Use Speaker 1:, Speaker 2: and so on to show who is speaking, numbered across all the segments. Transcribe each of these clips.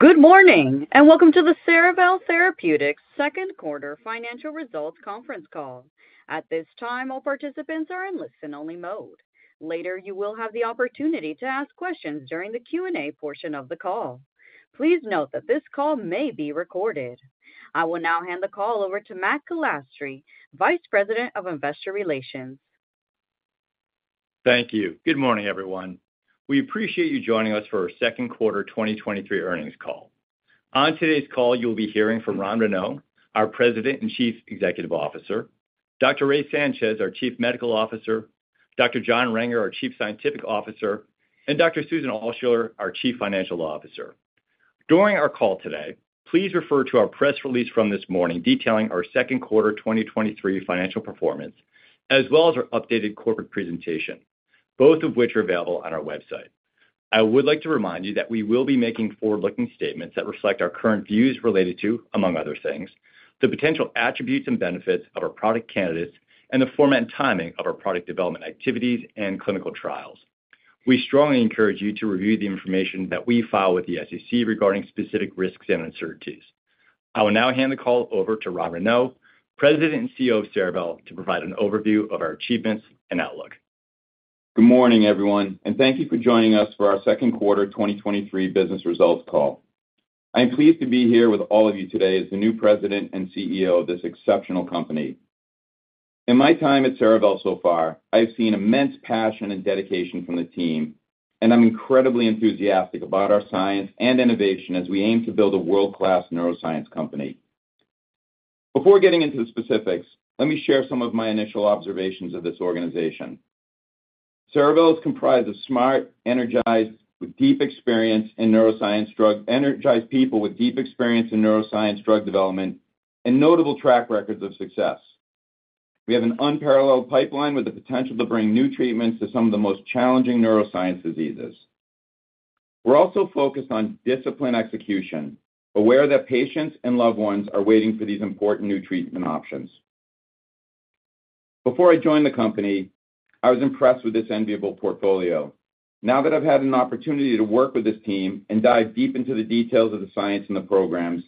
Speaker 1: Good morning, and welcome to the Cerevel Therapeutics second quarter financial results conference call. At this time, all participants are in listen-only mode. Later, you will have the opportunity to ask questions during the Q&A portion of the call. Please note that this call may be recorded. I will now hand the call over to Matthew Calistri, Vice President of Investor Relations.
Speaker 2: Thank you. Good morning, everyone. We appreciate you joining us for our second quarter 2023 earnings call. On today's call, you'll be hearing from Ron Renaud, our President and Chief Executive Officer; Dr. Raymond Sanchez, our Chief Medical Officer; Dr. John Renger, our Chief Scientific Officer; and Dr. Susan Altschuller, our Chief Financial Officer. During our call today, please refer to our press release from this morning detailing our second quarter 2023 financial performance, as well as our updated corporate presentation, both of which are available on our website. I would like to remind you that we will be making forward-looking statements that reflect our current views related to, among other things, the potential attributes and benefits of our product candidates and the format and timing of our product development activities and clinical trials. We strongly encourage you to review the information that we file with the SEC regarding specific risks and uncertainties. I will now hand the call over to Ron Renaud, President and CEO of Cerevel, to provide an overview of our achievements and outlook.
Speaker 3: Good morning, everyone. Thank you for joining us for our second quarter 2023 business results call. I'm pleased to be here with all of you today as the new President and Chief Executive Officer of this exceptional company. In my time at Cerevel so far, I've seen immense passion and dedication from the team, and I'm incredibly enthusiastic about our science and innovation as we aim to build a world-class neuroscience company. Before getting into the specifics, let me share some of my initial observations of this organization. Cerevel is comprised of smart, energized people with deep experience in neuroscience drug development and notable track records of success. We have an unparalleled pipeline with the potential to bring new treatments to some of the most challenging neuroscience diseases. We're also focused on discipline execution, aware that patients and loved ones are waiting for these important new treatment options. Before I joined the company, I was impressed with this enviable portfolio. Now that I've had an opportunity to work with this team and dive deep into the details of the science and the programs,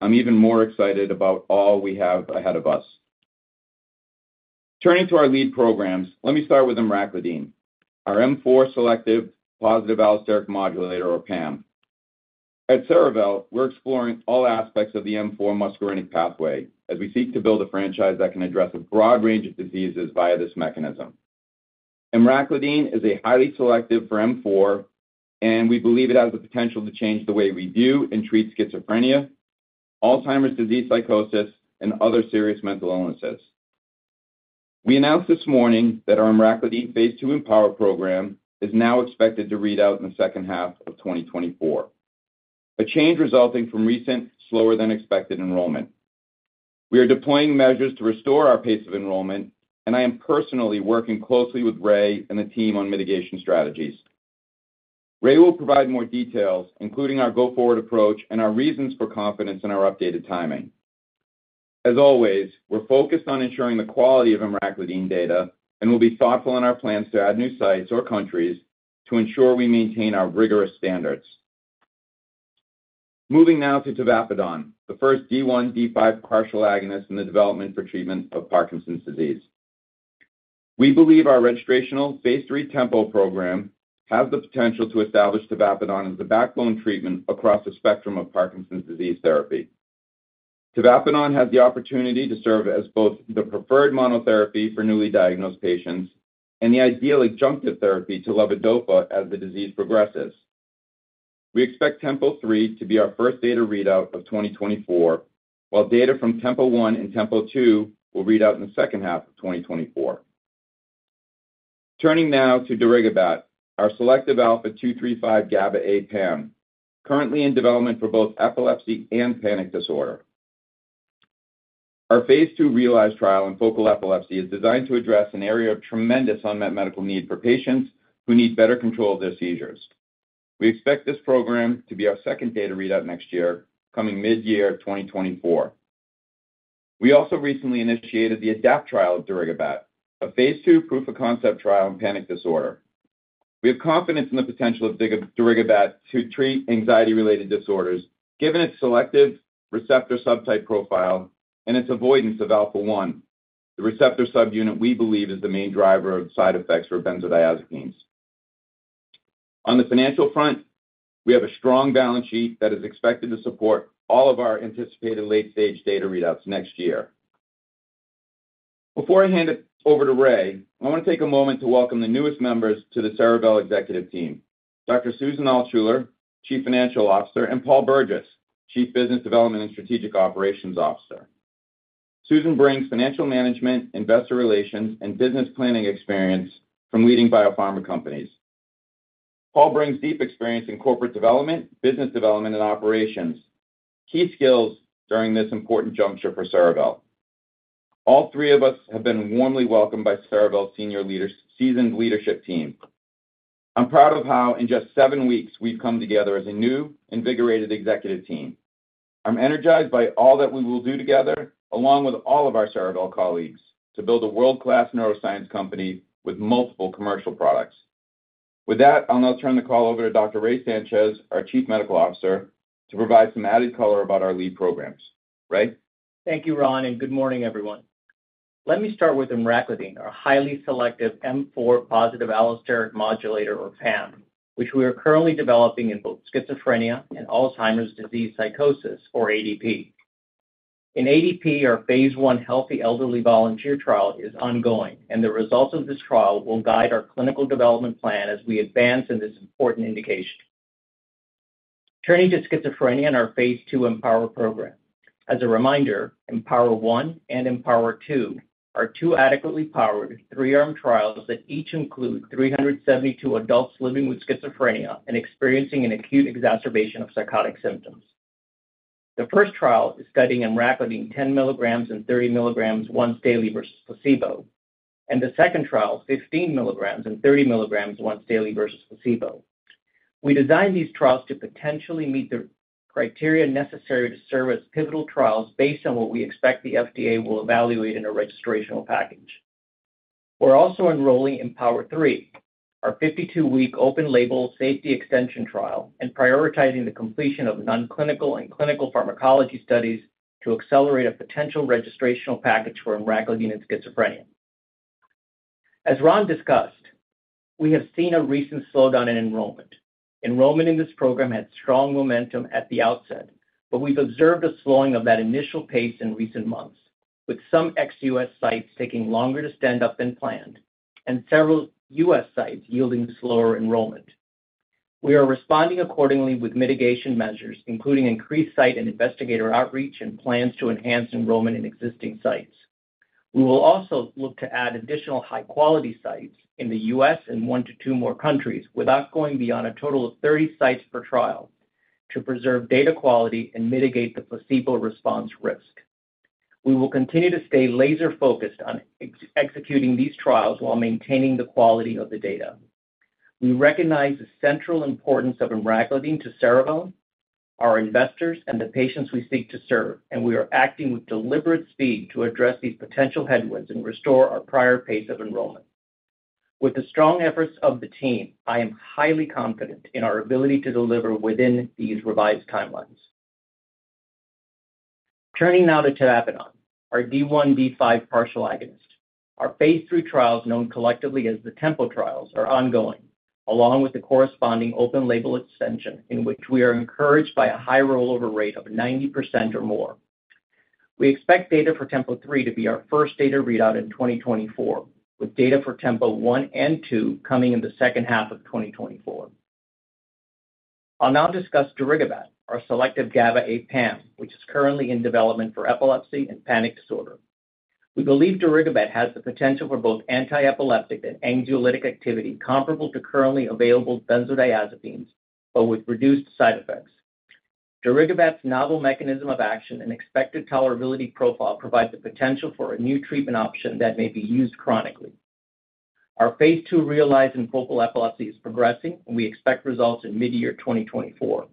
Speaker 3: I'm even more excited about all we have ahead of us. Turning to our lead programs, let me start with emraclidine, our M4 selective positive allosteric modulator or PAM. At Cerevel, we're exploring all aspects of the M4 muscarinic pathway as we seek to build a franchise that can address a broad range of diseases via this mechanism. Emraclidine is a highly selective for M4, and we believe it has the potential to change the way we view and treat schizophrenia, Alzheimer's disease psychosis, and other serious mental illnesses. We announced this morning that our emraclidine Phase 2 EMPOWER program is now expected to read out in the second half of 2024, a change resulting from recent, slower than expected enrollment. We are deploying measures to restore our pace of enrollment, and I am personally working closely with Ray and the team on mitigation strategies. Ray will provide more details, including our go-forward approach and our reasons for confidence in our updated timing. As always, we're focused on ensuring the quality of emraclidine data and will be thoughtful in our plans to add new sites or countries to ensure we maintain our rigorous standards. Moving now to tavapadon, the first D1/D5 partial agonist in the development for treatment of Parkinson's disease. We believe our registrational Phase 3 TEMPO program has the potential to establish tavapadon as the backbone treatment across the spectrum of Parkinson's disease therapy. Tavapadon has the opportunity to serve as both the preferred monotherapy for newly diagnosed patients and the ideal adjunctive therapy to levodopa as the disease progresses. We expect TEMPO-3 to be our first data readout of 2024, while data from TEMPO-1 and TEMPO-2 will read out in the second half of 2024. Turning now to darigabat, our selective alpha-2/3/5 GABAA PAM, currently in development for both epilepsy and panic disorder. Our Phase 2 REALIZE trial in focal epilepsy is designed to address an area of tremendous unmet medical need for patients who need better control of their seizures. We expect this program to be our second data readout next year, coming mid-year 2024. We also recently initiated the ADAPT trial of darigabat, a Phase 2 proof-of-concept trial in panic disorder. We have confidence in the potential of darigabat to treat anxiety-related disorders, given its selective receptor subtype profile and its avoidance of Alpha-1, the receptor subunit we believe is the main driver of side effects for Benzodiazepines. On the financial front, we have a strong balance sheet that is expected to support all of our anticipated late-stage data readouts next year. Before I hand it over to Ray, I want to take a moment to welcome the newest members to the Cerevel executive team, Dr. Susan Altschuller, Chief Financial Officer, and Paul Burgess, Chief Business Development and Strategic Operations Officer. Susan brings financial management, investor relations, and business planning experience from leading biopharma companies. Paul brings deep experience in corporate development, business development, and operations, key skills during this important juncture for Cerevel. All three of us have been warmly welcomed by Cerevel seasoned leadership team. I'm proud of how, in just 7 weeks, we've come together as a new, invigorated executive team. I'm energized by all that we will do together, along with all of our Cerevel colleagues, to build a world-class neuroscience company with multiple commercial products. With that, I'll now turn the call over to Dr. Ray Sanchez, our Chief Medical Officer, to provide some added color about our lead programs. Ray?
Speaker 4: Thank you, Ron. Good morning, everyone. Let me start with emraclidine, our highly selective M4 positive allosteric modulator or PAM, which we are currently developing in both schizophrenia and Alzheimer's disease psychosis or ADP. In ADP, our Phase 1 healthy elderly volunteer trial is ongoing. The results of this trial will guide our clinical development plan as we advance in this important indication. Turning to schizophrenia and our Phase 2 EMPOWER program. As a reminder, EMPOWER-1 and EMPOWER-2 are two adequately powered, 3-arm trials that each include 372 adults living with schizophrenia and experiencing an acute exacerbation of psychotic symptoms. The first trial is studying emraclidine 10 mg and 30 mg once daily versus placebo. The second trial, 15 mg and 30 mg once daily versus placebo. We designed these trials to potentially meet the criteria necessary to serve as pivotal trials based on what we expect the FDA will evaluate in a registrational package. We're also enrolling EMPOWER-3, our 52-week open-label safety extension trial, and prioritizing the completion of non-clinical and clinical pharmacology studies to accelerate a potential registrational package for emraclidine in schizophrenia. As Ron discussed, we have seen a recent slowdown in enrollment. Enrollment in this program had strong momentum at the outset, but we've observed a slowing of that initial pace in recent months, with some ex-U.S. sites taking longer to stand up than planned and several U.S. sites yielding slower enrollment. We are responding accordingly with mitigation measures, including increased site and investigator outreach and plans to enhance enrollment in existing sites. We will also look to add additional high-quality sites in the US and one to two more countries, without going beyond a total of 30 sites per trial, to preserve data quality and mitigate the placebo response risk. We will continue to stay laser focused on executing these trials while maintaining the quality of the data. We recognize the central importance of emraclidine to Cerevel, our investors, and the patients we seek to serve. We are acting with deliberate speed to address these potential headwinds and restore our prior pace of enrollment. With the strong efforts of the team, I am highly confident in our ability to deliver within these revised timelines. Turning now to tavapadon, our D1/D5 partial agonist. Our Phase 3 trials, known collectively as the TEMPO trials, are ongoing, along with the corresponding open-label extension, in which we are encouraged by a high rollover rate of 90% or more. We expect data for TEMPO-3 to be our first data readout in 2024, with data for TEMPO-1 and -2 coming in the second half of 2024. I'll now discuss darigabat, our selective GABAA PAM, which is currently in development for epilepsy and panic disorder. We believe darigabat has the potential for both antiepileptic and anxiolytic activity comparable to currently available benzodiazepines, but with reduced side effects. darigabat's novel mechanism of action and expected tolerability profile provides the potential for a new treatment option that may be used chronically. Our Phase 2 REALIZE in focal epilepsy is progressing, and we expect results in mid-2024.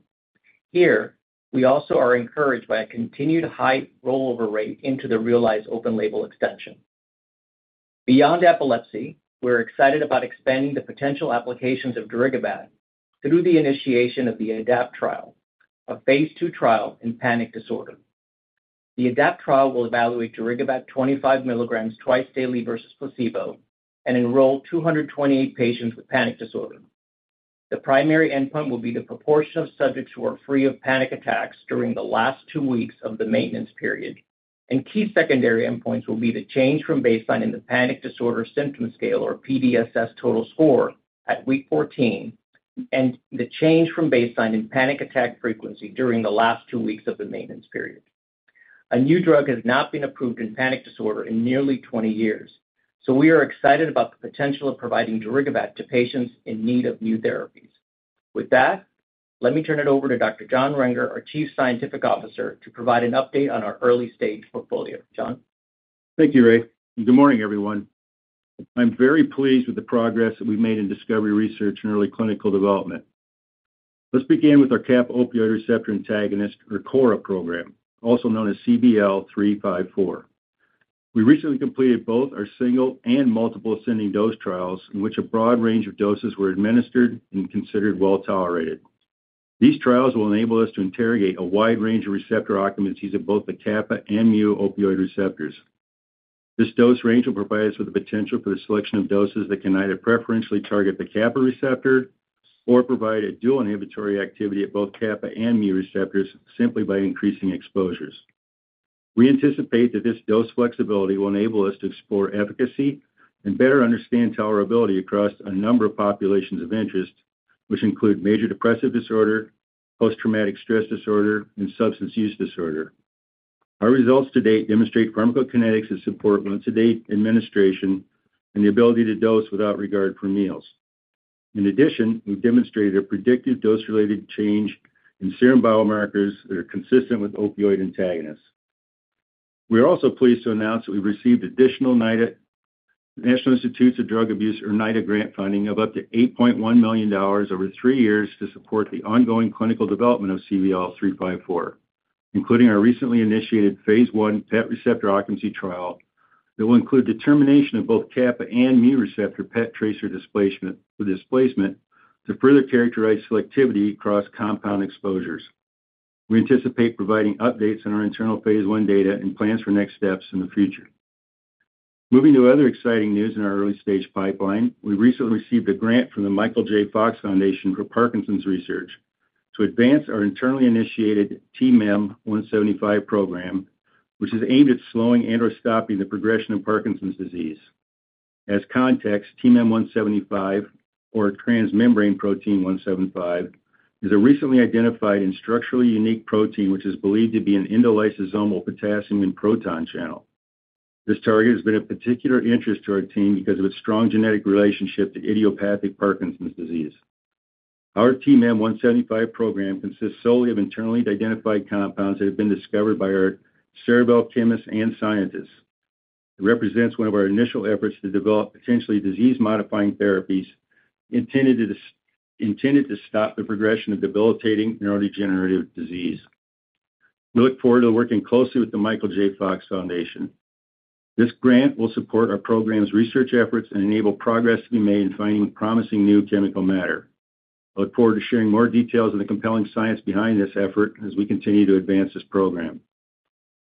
Speaker 4: Here, we also are encouraged by a continued high rollover rate into the REALIZE open label extension. Beyond epilepsy, we're excited about expanding the potential applications of darigabat through the initiation of the ADAPT trial, a Phase 2 trial in panic disorder. The ADAPT trial will evaluate darigabat 25 mg twice daily versus placebo and enroll 228 patients with panic disorder. The primary endpoint will be the proportion of subjects who are free of panic attacks during the last two weeks of the maintenance period. Key secondary endpoints will be the change from baseline in the Panic Disorder Severity Scale, or PDSS, total score at week 14 and the change from baseline in panic attack frequency during the last two weeks of the maintenance period. A new drug has not been approved in panic disorder in nearly 20 years, so we are excited about the potential of providing darigabat to patients in need of new therapies. With that, let me turn it over to Dr. John Renger, our Chief Scientific Officer, to provide an update on our early-stage portfolio. John?
Speaker 5: Thank you, Ray. Good morning, everyone. I'm very pleased with the progress that we've made in discovery, research, and early clinical development. Let's begin with our kappa-opioid receptor antagonist, or KORA program, also known as CVL-354. We recently completed both our single and multiple ascending dose trials, in which a broad range of doses were administered and considered well tolerated. These trials will enable us to interrogate a wide range of receptor occupancies at both the kappa and mu opioid receptors. This dose range will provide us with the potential for the selection of doses that can either preferentially target the kappa receptor or provide a dual inhibitory activity at both kappa and mu receptors simply by increasing exposures. We anticipate that this dose flexibility will enable us to explore efficacy and better understand tolerability across a number of populations of interest, which include major depressive disorder, post-traumatic stress disorder, and substance use disorder. Our results to date demonstrate pharmacokinetics that support once-a-day administration and the ability to dose without regard for meals. In addition, we've demonstrated a predicted dose-related change in serum biomarkers that are consistent with opioid antagonists. We are also pleased to announce that we've received additional NIDA, National Institute on Drug Abuse, or NIDA, grant funding of up to $8.1 million over 3 years to support the ongoing clinical development of CVL-354, including our recently initiated Phase 1 PET receptor occupancy trial that will include determination of both kappa and mu receptor PET tracer displacement, displacement to further characterize selectivity across compound exposures. We anticipate providing updates on our internal phase 1 data and plans for next steps in the future. Moving to other exciting news in our early-stage pipeline, we recently received a grant from The Michael J. Fox Foundation for Parkinson's Research to advance our internally initiated TMEM 175 program, which is aimed at slowing and/or stopping the progression of Parkinson's disease. As context, TMEM 175, or Transmembrane protein 175, is a recently identified and structurally unique protein, which is believed to be an endolysosomal potassium and proton channel. This target has been of particular interest to our team because of its strong genetic relationship to idiopathic Parkinson's disease. Our TMEM 175 program consists solely of internally identified compounds that have been discovered by our Cerevel chemists and scientists. It represents one of our initial efforts to develop potentially disease-modifying therapies intended to, intended to stop the progression of debilitating neurodegenerative disease. We look forward to working closely with The Michael J. Fox Foundation. This grant will support our program's research efforts and enable progress to be made in finding promising new chemical matter. I look forward to sharing more details on the compelling science behind this effort as we continue to advance this program.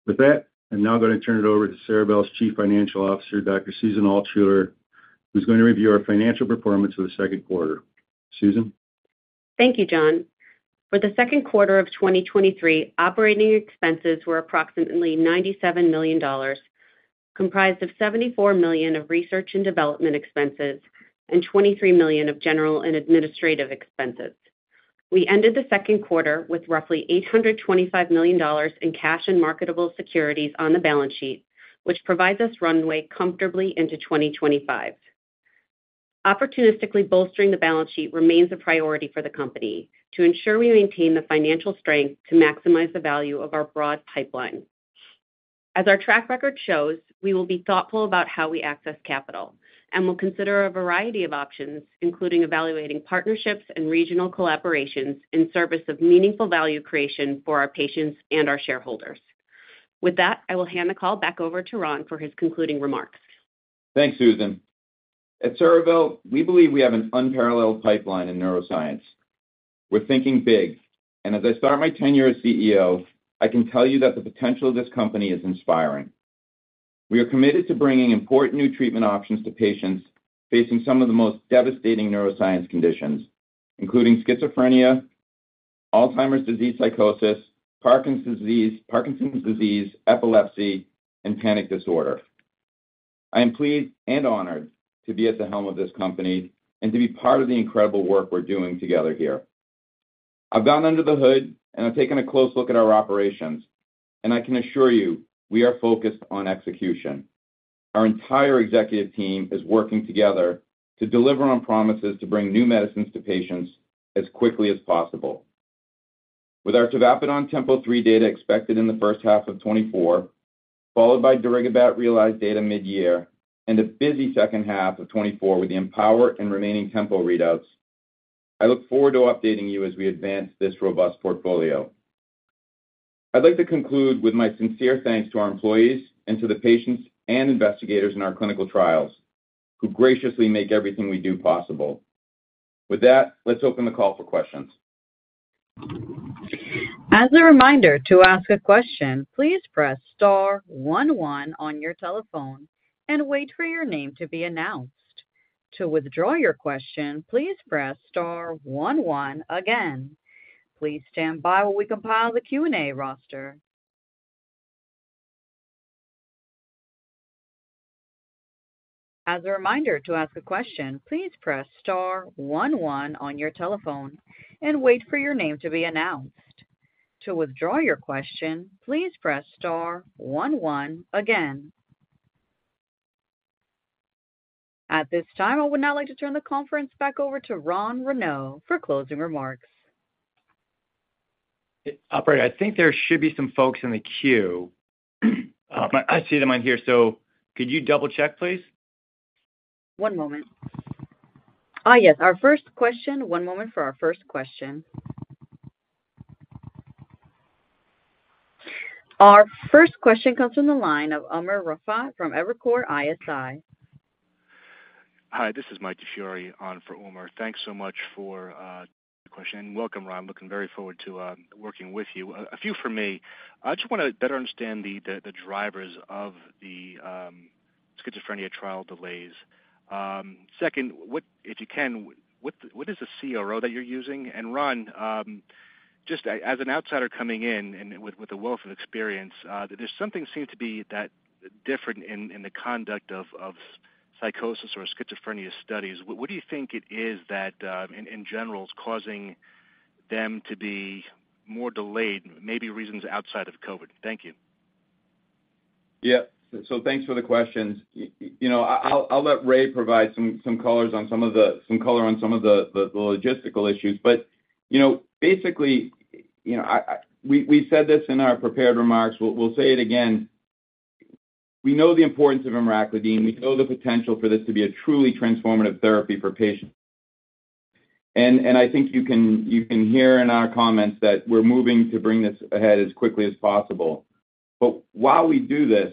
Speaker 5: With that, I'm now going to turn it over to Cerevel's Chief Financial Officer, Dr. Susan Altschuller, who's going to review our financial performance for the second quarter. Susan?
Speaker 6: Thank you, John. For the second quarter of 2023, operating expenses were approximately $97 million, comprised of $74 million of research and development expenses and $23 million of general and administrative expenses. We ended the second quarter with roughly $825 million in cash and marketable securities on the balance sheet, which provides us runway comfortably into 2025. Opportunistically bolstering the balance sheet remains a priority for the company to ensure we maintain the financial strength to maximize the value of our broad pipeline. As our track record shows, we will be thoughtful about how we access capital and will consider a variety of options, including evaluating partnerships and regional collaborations in service of meaningful value creation for our patients and our shareholders. I will hand the call back over to Ron for his concluding remarks.
Speaker 3: Thanks, Susan. At Cerevel, we believe we have an unparalleled pipeline in neuroscience. We're thinking big, and as I start my tenure as CEO, I can tell you that the potential of this company is inspiring. We are committed to bringing important new treatment options to patients facing some of the most devastating neuroscience conditions, including schizophrenia, Alzheimer's disease psychosis, Parkinson's disease, Parkinson's disease, epilepsy, and panic disorder. I am pleased and honored to be at the helm of this company and to be part of the incredible work we're doing together here. I've gone under the hood, and I've taken a close look at our operations, and I can assure you, we are focused on execution. Our entire executive team is working together to deliver on promises to bring new medicines to patients as quickly as possible. With our tavapadon TEMPO-3 data expected in the first half of 2024, followed by darigabat REALIZE data mid-year, and a busy second half of 2024 with the EMPOWER and remaining TEMPO readouts, I look forward to updating you as we advance this robust portfolio. I'd like to conclude with my sincere thanks to our employees and to the patients and investigators in our clinical trials who graciously make everything we do possible. With that, let's open the call for questions.
Speaker 1: As a reminder, to ask a question, please press star one one on your telephone and wait for your name to be announced. To withdraw your question, please press star one one again. Please stand by while we compile the Q&A roster. As a reminder, to ask a question, please press star one one on your telephone and wait for your name to be announced. To withdraw your question, please press star one one again. At this time, I would now like to turn the conference back over to Ron Renaud for closing remarks.
Speaker 3: Operator, I think there should be some folks in the queue. I see them on here, so could you double-check, please?
Speaker 1: One moment. Ah, yes, our first question. One moment for our first question. Our first question comes from the line of Umer Raffat from Evercore ISI.
Speaker 7: Hi, this is Michael DiFiore on for Umer. Thanks so much for the question. Welcome, Ron. Looking very forward to working with you. A few from me. I just want to better understand the, the, the drivers of the schizophrenia trial delays. Second, what, if you can, what is the CRO that you're using? Ron, just as an outsider coming in and with a wealth of experience, there's something seems to be that different in the conduct of psychosis or schizophrenia studies. What do you think it is that in general is causing them to be more delayed, maybe reasons outside of COVID? Thank you.
Speaker 3: Yeah. Thanks for the questions. You know, I'll let Ray provide some color on some of the logistical issues. You know, basically, you know, we said this in our prepared remarks, we'll say it again: We know the importance of emraclidine. We know the potential for this to be a truly transformative therapy for patients. I think you can hear in our comments that we're moving to bring this ahead as quickly as possible. While we do this,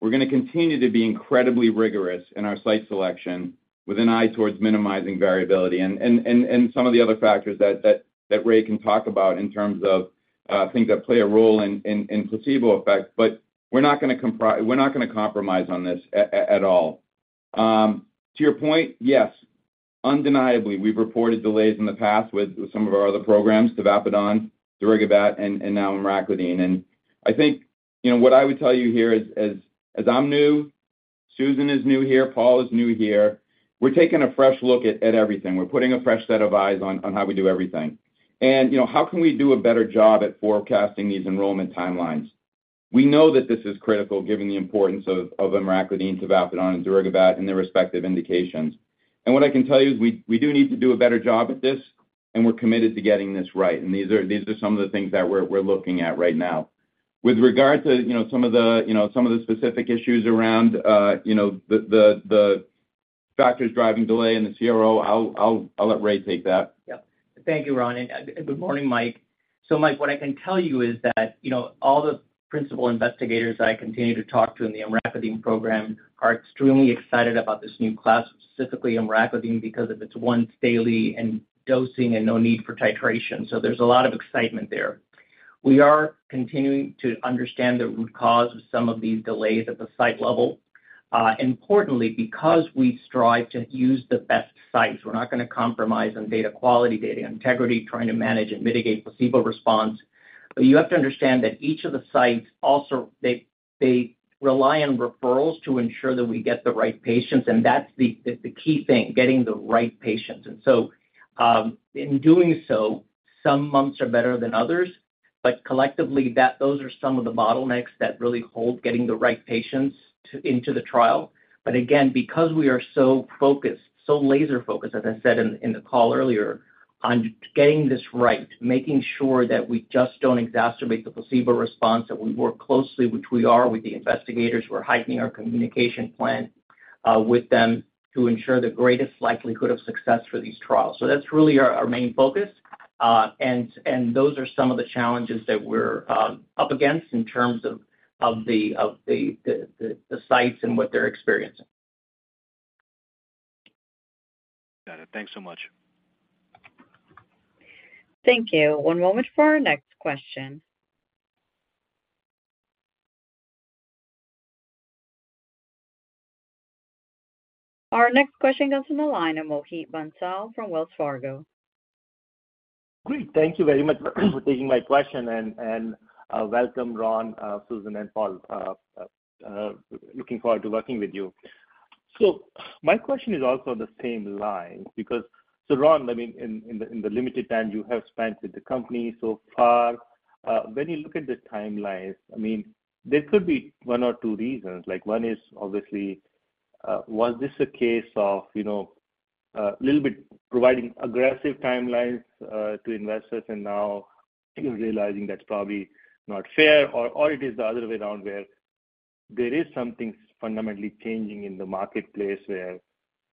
Speaker 3: we're going to continue to be incredibly rigorous in our site selection with an eye towards minimizing variability and some of the other factors that Ray can talk about in terms of things that play a role in placebo effect. We're not going to compromise on this at all. To your point, yes, undeniably, we've reported delays in the past with, with some of our other programs, tavapadon, darigabat, and, and now emraclidine. I think, you know, what I would tell you here is, as, as I'm new, Susan is new here, Paul is new here, we're taking a fresh look at, at everything. We're putting a fresh set of eyes on, on how we do everything. You know, how can we do a better job at forecasting these enrollment timelines? We know that this is critical, given the importance of, of emraclidine, tavapadon, and darigabat and their respective indications. What I can tell you is we, we do need to do a better job at this, and we're committed to getting this right, and these are, these are some of the things that we're, we're looking at right now. With regard to, you know, some of the, you know, some of the specific issues around, you know, the, the, the factors driving delay in the CRO, I'll, I'll, I'll let Ray take that.
Speaker 4: Yeah. Thank you, Ron, and good morning, Mike. Mike, what I can tell you is that, you know, all the principal investigators I continue to talk to in the emraclidine program are extremely excited about this new class, specifically emraclidine, because of its once-daily and dosing and no need for titration. There's a lot of excitement there. We are continuing to understand the root cause of some of these delays at the site level. Importantly, because we strive to use the best sites, we're not going to compromise on data quality, data integrity, trying to manage and mitigate placebo response. You have to understand that each of the sites also they, they rely on referrals to ensure that we get the right patients, and that's the, the, the key thing, getting the right patients. In doing so, some months are better than others, but collectively, those are some of the bottlenecks that really hold getting the right patients to, into the trial. Again, because we are so focused, so laser focused, as I said in, in the call earlier, on getting this right, making sure that we just don't exacerbate the placebo response, that we work closely, which we are, with the investigators. We're heightening our communication plan with them to ensure the greatest likelihood of success for these trials. That's really our, our main focus. And those are some of the challenges that we're up against in terms of, of the, of the, the, the sites and what they're experiencing.
Speaker 7: Got it. Thanks so much.
Speaker 1: Thank you. One moment for our next question. Our next question comes from the line of Mohit Bansal from Wells Fargo.
Speaker 8: Great. Thank you very much for taking my question, and, and, welcome, Ron, Susan, and Paul. Looking forward to working with you. My question is also on the same line, because... Ron, I mean, in, in the, in the limited time you have spent with the company so far, when you look at the timelines, I mean, there could be one or two reasons. Like, one is obviously, was this a case of, you know, a little bit providing aggressive timelines to investors, and now you're realizing that's probably not fair? Or, or it is the other way around, where there is something fundamentally changing in the marketplace where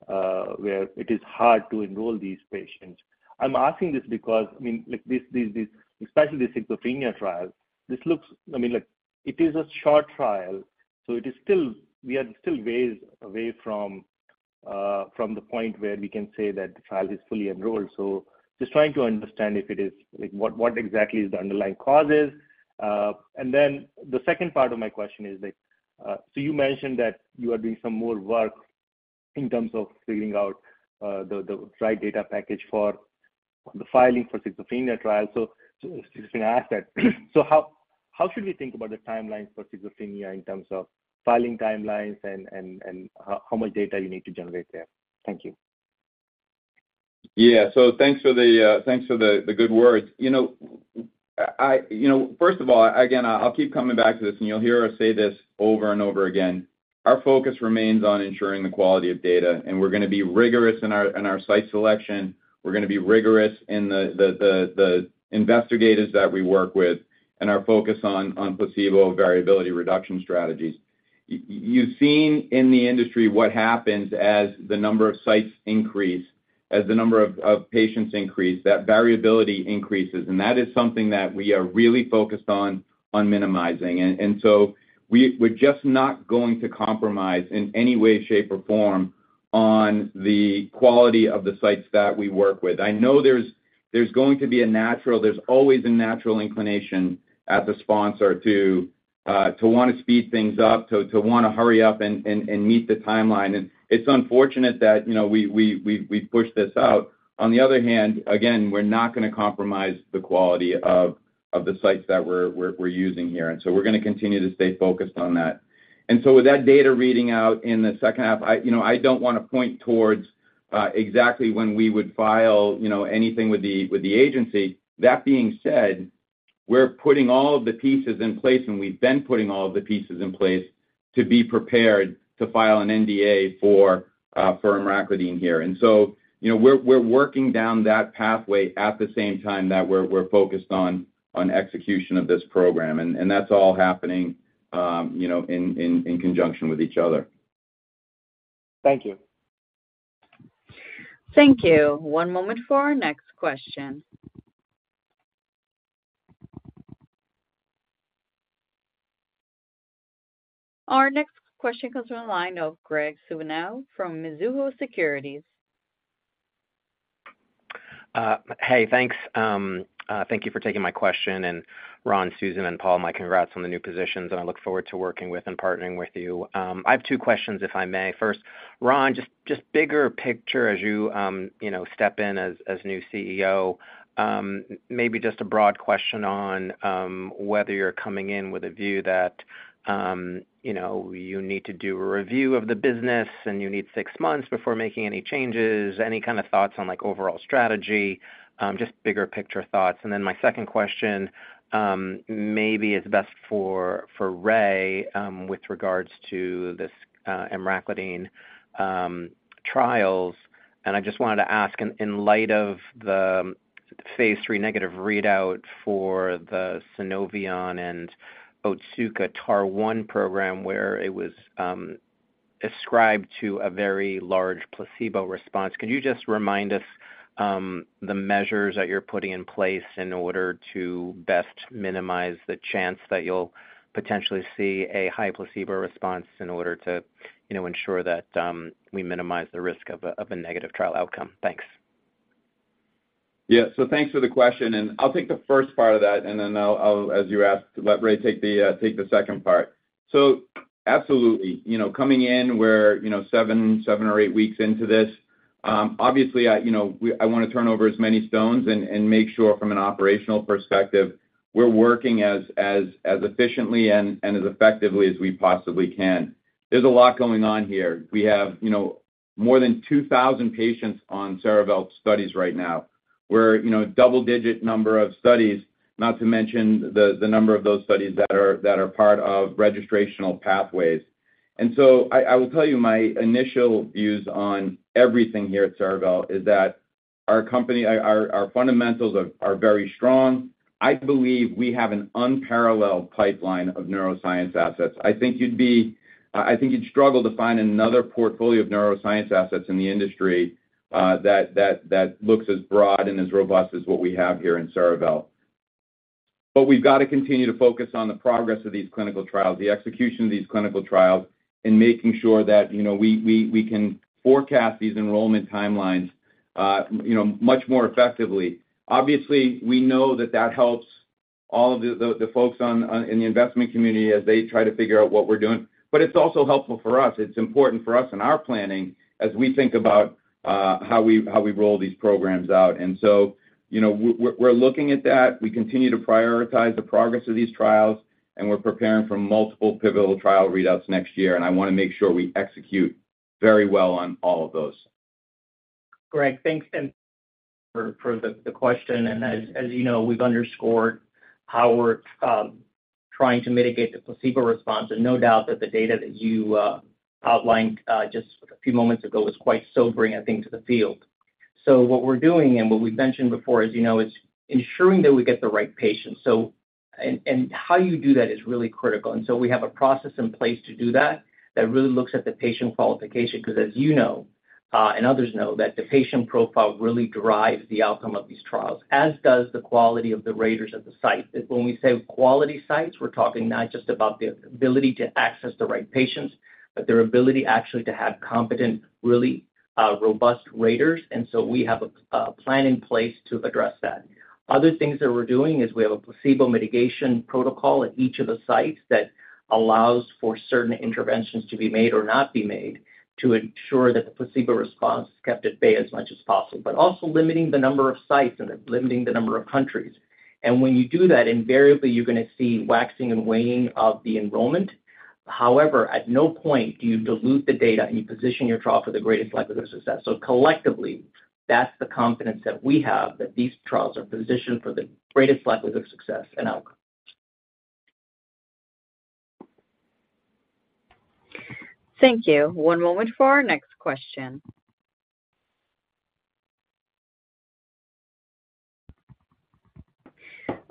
Speaker 8: it is hard to enroll these patients. I'm asking this because, I mean, like, this, this, this, especially the schizophrenia trial, this looks... I mean, like, it is a short trial, so it is still we are still ways away from, from the point where we can say that the trial is fully enrolled. Just trying to understand if it is, like, what, what exactly is the underlying causes? The second part of my question is like, you mentioned that you are doing some more work in terms of figuring out, the, the right data package for the filing for schizophrenia trial. Just going to ask that. How, how should we think about the timelines for schizophrenia in terms of filing timelines and, and, and how, how much data you need to generate there? Thank you.
Speaker 3: Yeah. So thanks for the, thanks for the, the good words. You know, I, you know, first of all, again, I'll keep coming back to this, and you'll hear us say this over and over again. Our focus remains on ensuring the quality of data, and we're going to be rigorous in our, in our site selection. We're going to be rigorous in the, the, the, the investigators that we work with and our focus on, on placebo variability reduction strategies. You've seen in the industry what happens as the number of sites increase, as the number of, of patients increase, that variability increases, and that is something that we are really focused on, on minimizing. So we're just not going to compromise in any way, shape, or form on the quality of the sites that we work with. I know there's, there's going to be a natural... There's always a natural inclination as a sponsor to want to speed things up, to, to want to hurry up and, and, and meet the timeline. It's unfortunate that, you know, we we've pushed this out. On the other hand, again, we're not going to compromise the quality of, of the sites that we're, we're, we're using here, and so we're going to continue to stay focused on that. So with that data reading out in the second half, I, you know, I don't want to point towards exactly when we would file, you know, anything with the, with the agency. That being said, we're putting all of the pieces in place, and we've been putting all of the pieces in place to be prepared to file an NDA for emraclidine here. you know, we're, we're working down that pathway at the same time that we're, we're focused on, on execution of this program. that's all happening, you know, in conjunction with each other.
Speaker 8: Thank you.
Speaker 1: Thank you. One moment for our next question. Our next question comes from the line of Graig Suvannavejh from Mizuho Securities.
Speaker 9: Hey, thanks. Thank you for taking my question, and Ron, Susan, and Paul, my congrats on the new positions, and I look forward to working with and partnering with you. I have two questions, if I may. First, Ron, just, just bigger picture as you, you know, step in as, as new CEO, maybe just a broad question on whether you're coming in with a view that, you know, you need to do a review of the business, and you need six months before making any changes, any kind of thoughts on, like, overall strategy? Just bigger picture thoughts. Then my second question, maybe is best for, for Ray, with regards to this emraclidine trials. I just wanted to ask, in, in light of the phase 3 negative readout for the Sunovion and Otsuka TAAR1 program, where it was, ascribed to a very large placebo response, could you just remind us, the measures that you're putting in place in order to best minimize the chance that you'll potentially see a high placebo response in order to, you know, ensure that, we minimize the risk of a, of a negative trial outcome? Thanks.
Speaker 3: Yeah. Thanks for the question, and I'll take the first part of that, and then I'll, I'll, as you asked, let Ray take the second part. Absolutely, you know, coming in, we're, you know, seven, seven or eight weeks into this. Obviously, I, you know, I want to turn over as many stones and, and make sure from an operational perspective, we're working as, as, as efficiently and, and as effectively as we possibly can. There's a lot going on here. We have, you know, more than 2,000 patients on Cerevel's studies right now. We're, you know, a double-digit number of studies, not to mention the, the number of those studies that are, that are part of registrational pathways. I, I will tell you my initial views on everything here at Cerevel is that our company, our, our fundamentals are, are very strong. I believe we have an unparalleled pipeline of neuroscience assets. I think you'd be-- I think you'd struggle to find another portfolio of neuroscience assets in the industry, that, that, that looks as broad and as robust as what we have here in Cerevel. We've got to continue to focus on the progress of these clinical trials, the execution of these clinical trials, and making sure that, you know, we, we, we can forecast these enrollment timelines, you know, much more effectively. Obviously, we know that that helps all of the folks on, in the investment community as they try to figure out what we're doing, but it's also helpful for us. It's important for us in our planning as we think about, how we, how we roll these programs out. You know, we're looking at that. We continue to prioritize the progress of these trials, and we're preparing for multiple pivotal trial readouts next year, and I want to make sure we execute very well on all of those.
Speaker 4: Graig, thanks, and for the question. As you know, we've underscored how we're trying to mitigate the placebo response, and no doubt that the data that you outlined just a few moments ago was quite sobering, I think, to the field. What we're doing and what we've mentioned before is, you know, it's ensuring that we get the right patients. And how you do that is really critical. We have a process in place to do that, that really looks at the patient qualification, because as you know, and others know, that the patient profile really drives the outcome of these trials, as does the quality of the raters at the site. When we say quality sites, we're talking not just about the ability to access the right patients, but their ability actually to have competent, really, robust raters. We have a plan in place to address that. Other things that we're doing is we have a placebo mitigation protocol at each of the sites that allows for certain interventions to be made or not be made, to ensure that the placebo response is kept at bay as much as possible, but also limiting the number of sites and limiting the number of countries. When you do that, invariably, you're going to see waxing and waning of the enrollment. However, at no point do you dilute the data, and you position your trial for the greatest likelihood of success. Collectively, that's the confidence that we have that these trials are positioned for the greatest likelihood of success and outcome.
Speaker 1: Thank you. One moment for our next question.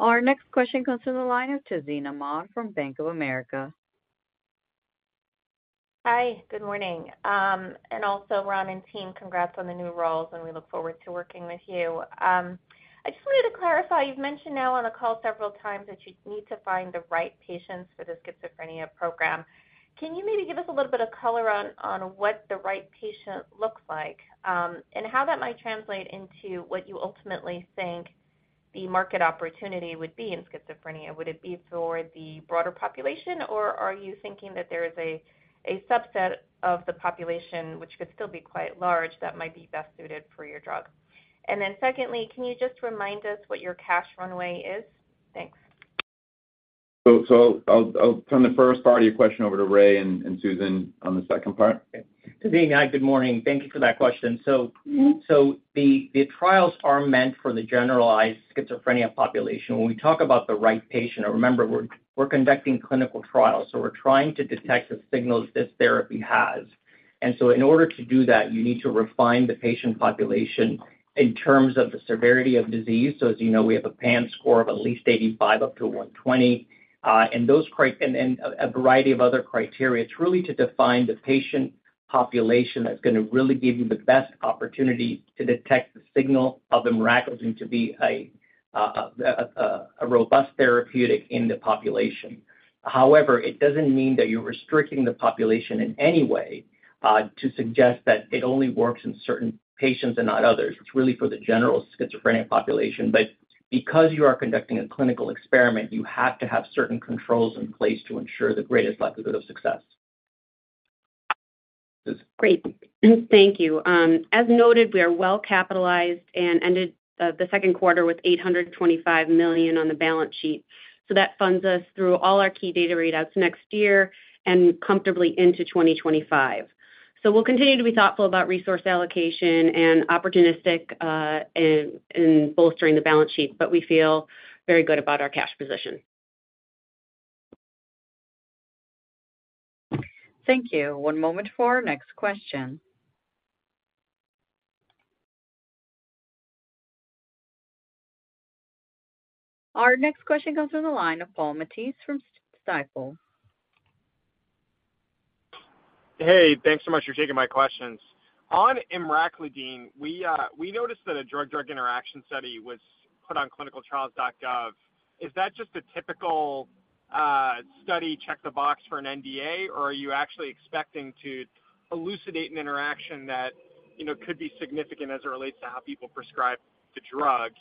Speaker 1: Our next question comes from the line of Tazeen Ahmad from Bank of America.
Speaker 10: Hi, good morning. Also Ron and team, congrats on the new roles, and we look forward to working with you. I just wanted to clarify, you've mentioned now on the call several times that you need to find the right patients for the Schizophrenia program. Can you maybe give us a little bit of color on, on what the right patient looks like, and how that might translate into what you ultimately think the market opportunity would be in Schizophrenia? Would it be for the broader population, or are you thinking that there is a, a subset of the population which could still be quite large, that might be best suited for your drug? Then secondly, can you just remind us what your cash runway is? Thanks.
Speaker 3: I'll turn the first part of your question over to Ray and Susan on the second part.
Speaker 4: Okay. Tazeen, hi, good morning. Thank you for that question. The trials are meant for the generalized schizophrenia population. When we talk about the right patient, remember, we're conducting clinical trials, so we're trying to detect the signals this therapy has. In order to do that, you need to refine the patient population in terms of the severity of disease. As you know, we have a PANSS score of at least 85 up to 120, and those and a variety of other criteria. It's really to define the patient population that's going to really give you the best opportunity to detect the signal of the emraclidine to be a robust therapeutic in the population. It doesn't mean that you're restricting the population in any way to suggest that it only works in certain patients and not others. It's really for the general schizophrenic population. Because you are conducting a clinical experiment, you have to have certain controls in place to ensure the greatest likelihood of success. Susan?
Speaker 6: Great, thank you. As noted, we are well capitalized and ended the second quarter with $825 million on the balance sheet. That funds us through all our key data readouts next year and comfortably into 2025. We'll continue to be thoughtful about resource allocation and opportunistic in, in bolstering the balance sheet, but we feel very good about our cash position.
Speaker 1: Thank you. One moment for our next question. Our next question comes from the line of Paul Matteis from Stifel.
Speaker 11: Hey, thanks so much for taking my questions. On emraclidine, we, we noticed that a drug-drug interaction study was put on ClinicalTrials.gov. Is that just a typical study, check the box for an NDA, or are you actually expecting to elucidate an interaction that, you know, could be significant as it relates to how people prescribe the drug?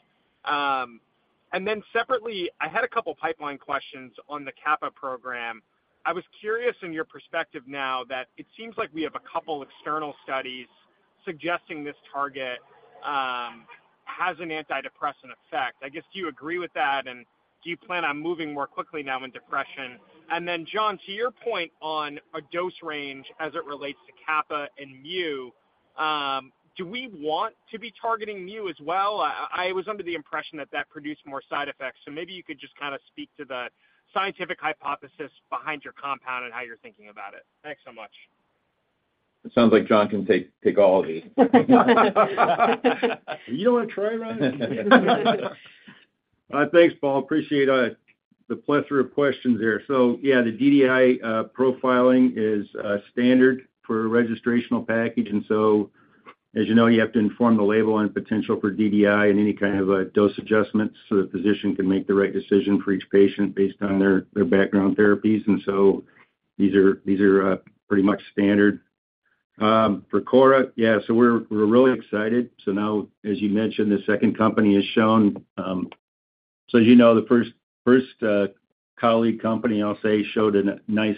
Speaker 11: Then separately, I had a couple pipeline questions on the kappa program. I was curious in your perspective now that it seems like we have a couple external studies suggesting this target has an antidepressant effect. I guess, do you agree with that, and do you plan on moving more quickly now in depression? Then, John, to your point on a dose range as it relates to kappa and mu, do we want to be targeting mu as well? I, I was under the impression that that produced more side effects. Maybe you could just kind of speak to the scientific hypothesis behind your compound and how you're thinking about it? Thanks so much.
Speaker 3: It sounds like John can take, take all of these.
Speaker 5: You don't want to try, Ron? Thanks, Paul. Appreciate the plethora of questions there. Yeah, the DDI profiling is standard for a registrational package. As you know, you have to inform the label on potential for DDI and any kind of dose adjustments, so the physician can make the right decision for each patient based on their background therapies. These are, these are pretty much standard. For KORA, yeah, we're, we're really excited. Now, as you mentioned, the second company has shown... As you know, the first, first, colleague company, I'll say, showed a nice,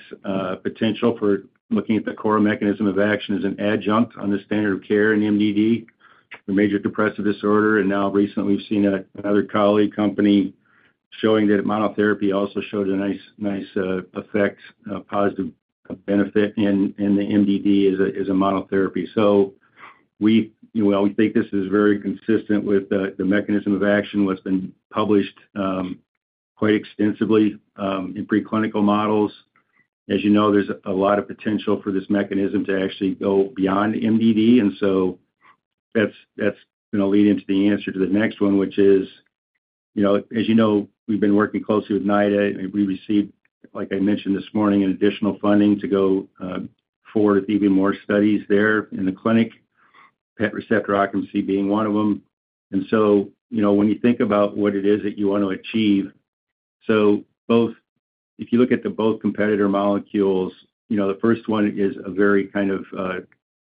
Speaker 5: potential for looking at the core mechanism of action as an adjunct on the standard of care in MDD, the major depressive disorder. Now recently, we've seen a, another colleague company showing that monotherapy also shows a nice, nice, effect, a positive benefit in, in the MDD as a, as a monotherapy. We, you know, we think this is very consistent with the, the mechanism of action, what's been published, quite extensively, in preclinical models. As you know, there's a lot of potential for this mechanism to actually go beyond MDD, and so that's, that's going to lead into the answer to the next one, which is, you know, as you know, we've been working closely with NIDA, and we received, like I mentioned this morning, an additional funding to go forward with even more studies there in the clinic, PET receptor occupancy being one of them. You know, when you think about what it is that you want to achieve, if you look at the both competitor molecules, you know, the first one is a very kind of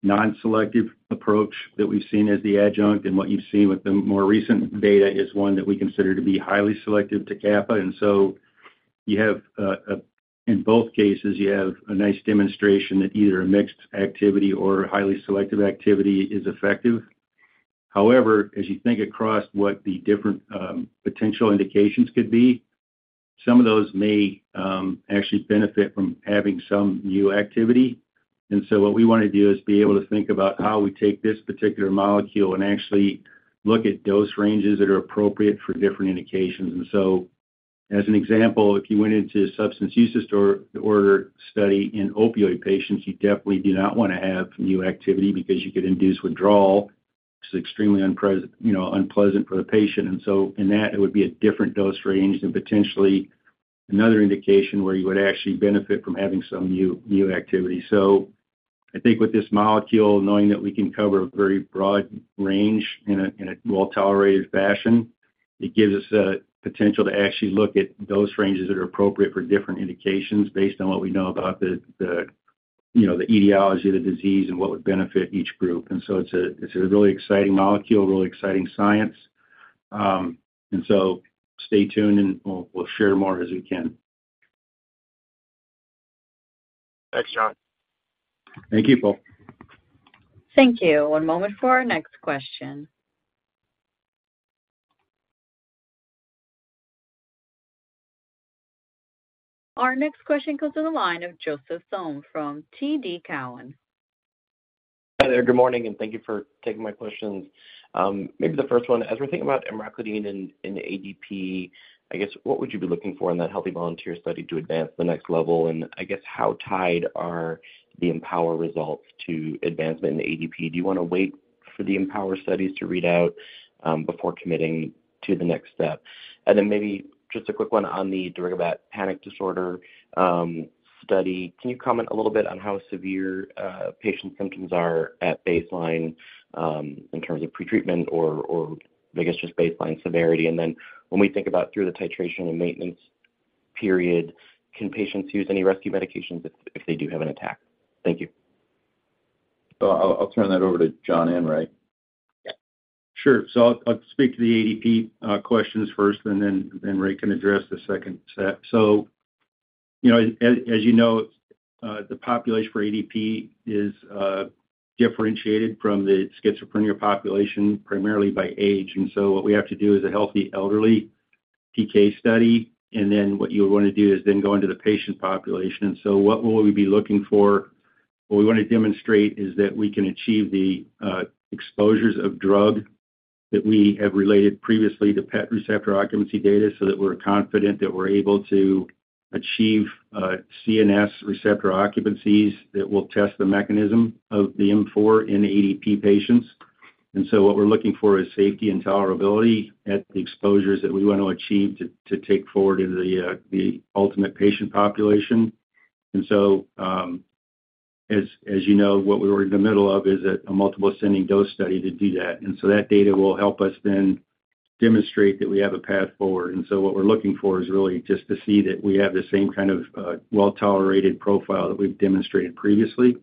Speaker 5: non-selective approach that we've seen as the adjunct. What you've seen with the more recent data is one that we consider to be highly selective to kappa. You have in both cases, you have a nice demonstration that either a mixed activity or highly selective activity is effective. However, as you think across what the different potential indications could be, some of those may actually benefit from having some new activity. What we want to do is be able to think about how we take this particular molecule and actually look at dose ranges that are appropriate for different indications. As an example, if you went into substance use disorder study in opioid patients, you definitely do not want to have new activity because you could induce withdrawal, which is extremely you know, unpleasant for the patient. In that, it would be a different dose range than potentially another indication where you would actually benefit from having some mu, mu activity. I think with this molecule, knowing that we can cover a very broad range in a, in a well-tolerated fashion, it gives us the potential to actually look at dose ranges that are appropriate for different indications based on what we know about the, the, you know, the etiology of the disease and what would benefit each group. It's a, it's a really exciting molecule, really exciting science. Stay tuned, and we'll, we'll share more as we can.
Speaker 11: Thanks, John.
Speaker 5: Thank you, Paul.
Speaker 1: Thank you. One moment for our next question. Our next question goes to the line of Joseph Thome from TD Cowen.
Speaker 12: Hi there. Good morning, and thank you for taking my questions. Maybe the first one, as we're thinking about emraclidine in, in ADP, I guess, what would you be looking for in that healthy volunteer study to advance the next level? I guess, how tied are the EMPOWER results to advancement in the ADP? Do you want to wait for the EMPOWER studies to read out, before committing to the next step? Maybe just a quick one on the darigabat panic disorder, study. Can you comment a little bit on how severe, patient symptoms are at baseline, in terms of pretreatment or, or I guess, just baseline severity? When we think about through the titration and maintenance period, can patients use any rescue medications if, if they do have an attack? Thank you.
Speaker 3: I'll, I'll turn that over to John and Ray.
Speaker 5: Yeah, sure. I'll, I'll speak to the ADP questions first, and then, then Ray can address the second set. You know, as, as you know, the population for ADP is differentiated from the Schizophrenia population, primarily by age. What we have to do is a healthy elderly PK study, and then what you'll want to do is then go into the patient population. What will we be looking for? What we want to demonstrate is that we can achieve the exposures of drug that we have related previously to PET receptor occupancy data, so that we're confident that we're able to achieve CNS receptor occupancies that will test the mechanism of the M4 in the ADP patients.
Speaker 4: What we're looking for is safety and tolerability at the exposures that we want to achieve to, to take forward into the ultimate patient population. As, as you know, what we're in the middle of is a multiple ascending dose study to do that. That data will help us then demonstrate that we have a path forward. What we're looking for is really just to see that we have the same kind of well-tolerated profile that we've demonstrated previously.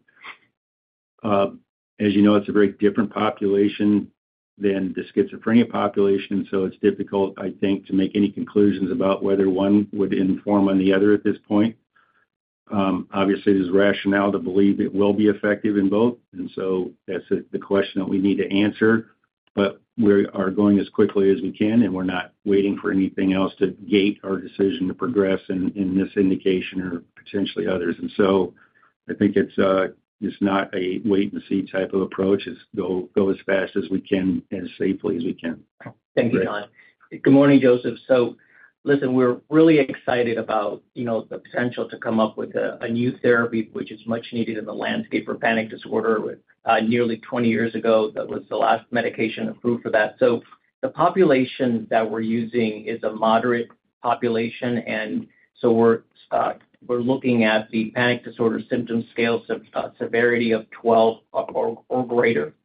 Speaker 4: As you know, it's a very different population than the schizophrenia population, so it's difficult, I think, to make any conclusions about whether one would inform on the other at this point. Obviously, there's rationale to believe it will be effective in both, that's the question that we need to answer. We are going as quickly as we can, and we're not waiting for anything else to gate our decision to progress in this indication or potentially others. So I think it's, it's not a wait and see type of approach. It's go, go as fast as we can and as safely as we can.
Speaker 12: Thank you, John.
Speaker 4: Good morning, Joseph. Listen, we're really excited about, you know, the potential to come up with a, a new therapy, which is much needed in the landscape for Panic disorder. With, nearly 20 years ago, that was the last medication approved for that. The population that we're using is a moderate population, and so we're, we're looking at the Panic disorder symptoms, scale, severity of 12 or, or greater,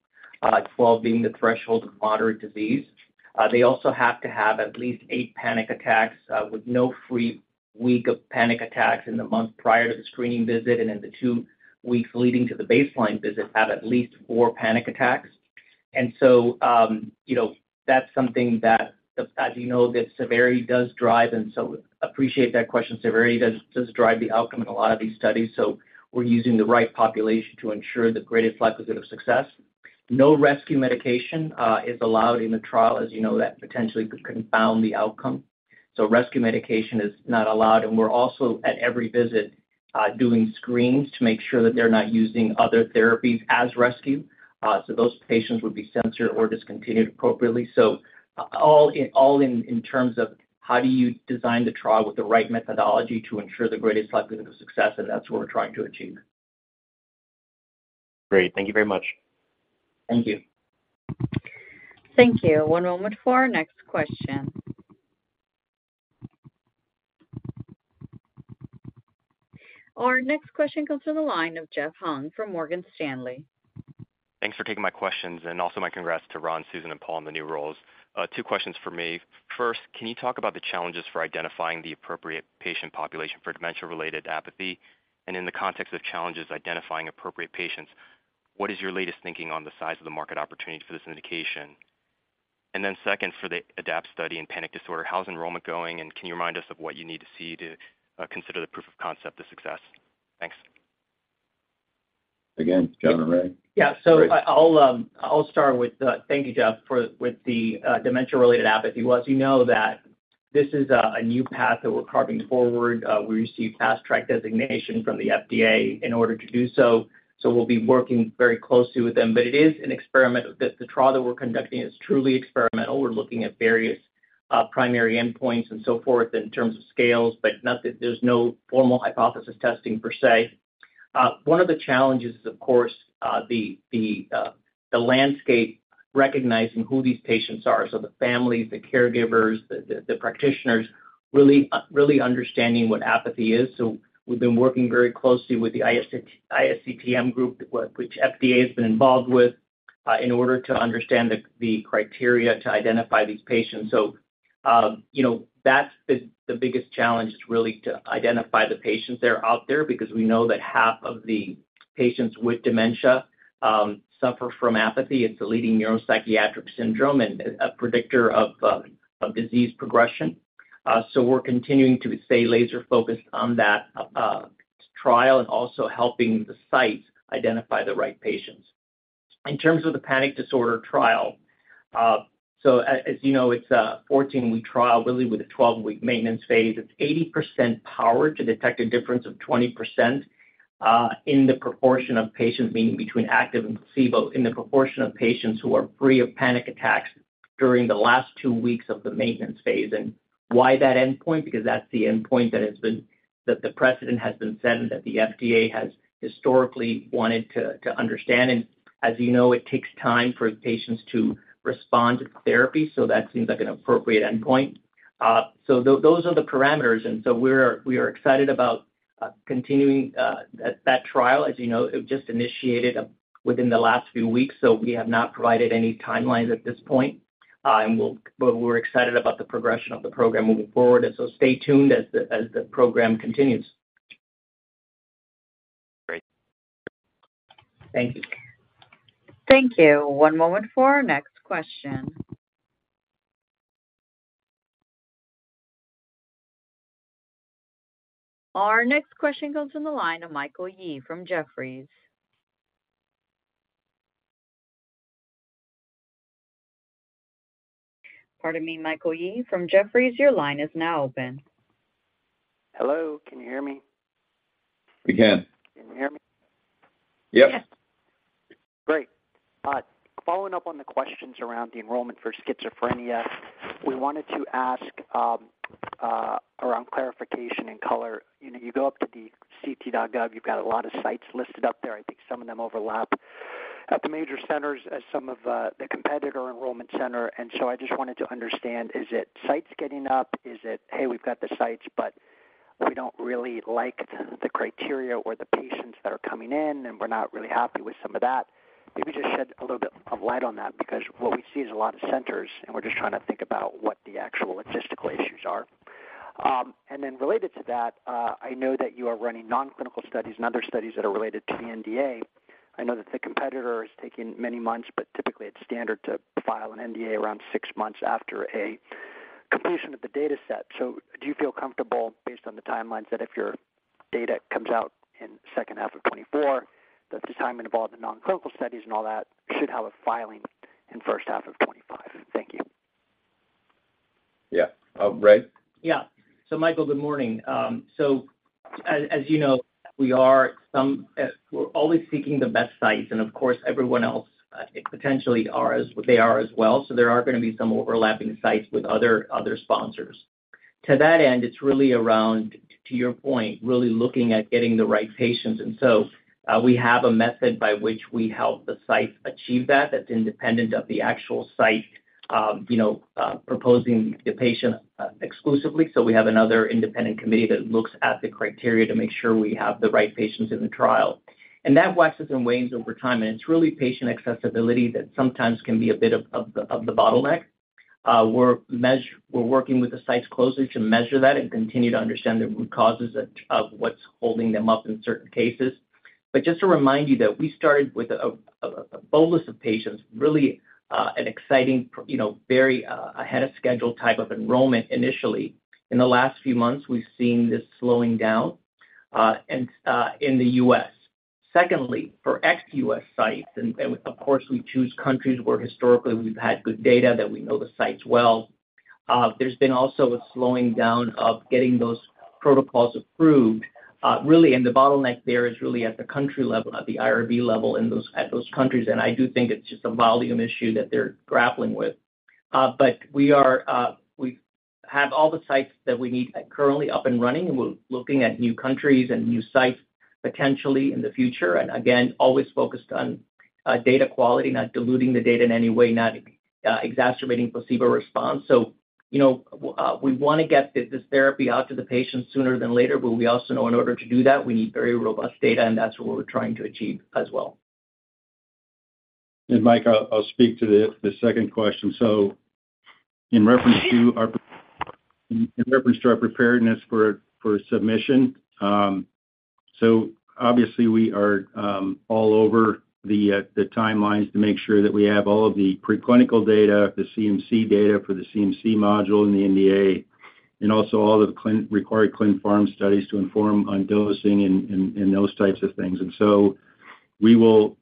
Speaker 4: 12 being the threshold of moderate disease. They also have to have at least eight panic attacks, with no free week of panic attacks in the month prior to the screening visit, and in the two weeks leading to the baseline visit, have at least four panic attacks. So, you know, that's something that, as you know, that severity does drive, and so, appreciate that question. Severity does, does drive the outcome in a lot of these studies, so we're using the right population to ensure the greatest likelihood of success. No rescue medication is allowed in the trial. As you know, that potentially could confound the outcome. Rescue medication is not allowed, and we're also, at every visit, doing screens to make sure that they're not using other therapies as rescue. Those patients would be censored or discontinued appropriately. All in, all in, in terms of how do you design the trial with the right methodology to ensure the greatest likelihood of success, and that's what we're trying to achieve.
Speaker 12: Great. Thank you very much.
Speaker 4: Thank you.
Speaker 1: Thank you. One moment for our next question. Our next question comes to the line of Jeff Hung from Morgan Stanley.
Speaker 13: Thanks for taking my questions, also my congrats to Ron, Susan and Paul on the new roles. Two questions for me. First, can you talk about the challenges for identifying the appropriate patient population for dementia-related apathy? In the context of challenges identifying appropriate patients, what is your latest thinking on the size of the market opportunity for this indication? Then second, for the ADAPT study in panic disorder, how's enrollment going, and can you remind us of what you need to see to consider the proof of concept of success? Thanks.
Speaker 3: Again, John and Ray.
Speaker 4: Yeah. I, I'll start with... Thank you, Jeff, for with the dementia-related apathy. Well, as you know, that this is a new path that we're carving forward. We received Fast Track designation from the FDA in order to do so, so we'll be working very closely with them. It is an experiment. The trial that we're conducting is truly experimental. We're looking at various primary endpoints and so forth in terms of scales, but not that there's no formal hypothesis testing per se. One of the challenges is, of course, the landscape, recognizing who these patients are, so the families, the caregivers, the practitioners, really understanding what apathy is. We've been working very closely with the ISCTM group, which FDA has been involved with, in order to understand the criteria to identify these patients. That's the biggest challenge is really to identify the patients that are out there, because we know that half of the patients with dementia suffer from apathy. It's the leading neuropsychiatric syndrome and a predictor of disease progression. We're continuing to stay laser focused on that trial and also helping the site identify the right patients. In terms of the panic disorder trial, as you know, it's a 14-week trial, really with a 12-week maintenance phase It's 80% powered to detect a difference of 20% in the proportion of patients, meaning between active and placebo, in the proportion of patients who are free of panic attacks during the last 2 weeks of the maintenance phase. Why that endpoint? Because that's the endpoint that has been, that the precedent has been set and that the FDA has historically wanted to, to understand. As you know, it takes time for patients to respond to therapy, so that seems like an appropriate endpoint. Those are the parameters, and so we're, we are excited about continuing that trial. As you know, it just initiated within the last few weeks, so we have not provided any timelines at this point. We're excited about the progression of the program moving forward, and so stay tuned as the, as the program continues.
Speaker 13: Great.
Speaker 4: Thank you.
Speaker 1: Thank you. One moment for our next question. Our next question goes to the line of Michael Yee from Jefferies. Pardon me, Michael Yee from Jefferies, your line is now open.
Speaker 14: Hello, can you hear me?
Speaker 5: We can.
Speaker 14: Can you hear me?
Speaker 5: Yes.
Speaker 6: Yes.
Speaker 14: Great. Following up on the questions around the enrollment for schizophrenia, we wanted to ask around clarification and color. You know, you go up to the ct.gov, you've got a lot of sites listed up there. I think some of them overlap at the major centers as some of the competitor enrollment center. I just wanted to understand, is it sites getting up? Is it, "Hey, we've got the sites, but we don't really like the criteria or the patients that are coming in, and we're not really happy with some of that." Maybe just shed a little bit of light on that, because what we see is a lot of centers, and we're just trying to think about what the actual logistical issues are. I know that you are running nonclinical studies and other studies that are related to the NDA. I know that the competitor is taking many months, typically it's standard to file an NDA around 6 months after a completion of the dataset. Do you feel comfortable based on the timelines, that if your data comes out in second half of 2024, that the time involved in nonclinical studies and all that should have a filing in first half of 2025? Thank you.
Speaker 3: Yeah. Ray?
Speaker 4: Yeah. Michael, good morning. As, as you know, we are some, we're always seeking the best sites, and of course, everyone else, potentially are as well. There are gonna be some overlapping sites with other, other sponsors. To that end, it's really around, to your point, really looking at getting the right patients, and so, we have a method by which we help the site achieve that, that's independent of the actual site, you know, proposing the patient, exclusively. We have another independent committee that looks at the criteria to make sure we have the right patients in the trial. And that waxes and wanes over time, and it's really patient accessibility that sometimes can be a bit of, of the, of the bottleneck. We're working with the sites closely to measure that and continue to understand the root causes of what's holding them up in certain cases. Just to remind you that we started with a bolus of patients, really, you know, very ahead of schedule type of enrollment initially. In the last few months, we've seen this slowing down, and in the U.S. Secondly, for ex-U.S. sites, and of course, we choose countries where historically we've had good data, that we know the sites well, there's been also a slowing down of getting those protocols approved. Really, and the bottleneck there is really at the country level, at the IRB level, at those countries, and I do think it's just a volume issue that they're grappling with. We are, we have all the sites that we need currently up and running, and we're looking at new countries and new sites potentially in the future. Again, always focused on data quality, not diluting the data in any way, not exacerbating placebo response. You know, w- we wanna get this, this therapy out to the patients sooner than later, but we also know in order to do that, we need very robust data, and that's what we're trying to achieve as well.
Speaker 5: Mike, I'll, I'll speak to the, the second question. In reference to our, in reference to our preparedness for, for submission, obviously we are all over the timelines to make sure that we have all of the preclinical data, the CMC data for the CMC module in the NDA, and also all of the required clinical pharmacology studies to inform on dosing and, and, and those types of things. We will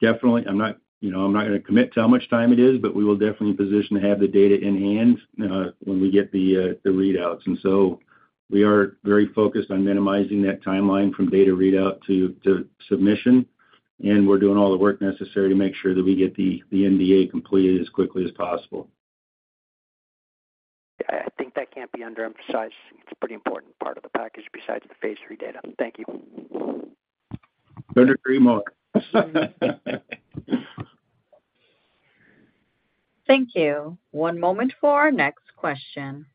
Speaker 5: definitely... I'm not, you know, I'm not gonna commit to how much time it is, but we will definitely position to have the data in hand when we get the readouts. We are very focused on minimizing that timeline from data readout to, to submission, and we're doing all the work necessary to make sure that we get the, the NDA completed as quickly as possible.
Speaker 14: I think that can't be underemphasized. It's a pretty important part of the package besides the phase 3 data. Thank you.
Speaker 5: Couldn't agree more.
Speaker 1: Thank you. One moment for our next question.